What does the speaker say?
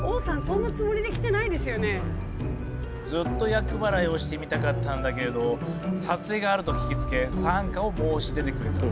ずっと厄払いをしてみたかったんだけど撮影があると聞きつけ参加を申し出てくれたぜ。